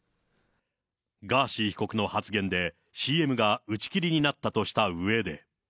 ガーシー被告の発言で、ＣＭが打ち切りになったとしたうえで。